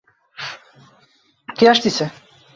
চলো তোমাকে ট্রিট দেই।